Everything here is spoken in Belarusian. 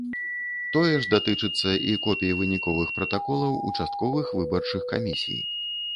Тое ж датычыцца і копій выніковых пратаколаў участковых выбарчых камісій.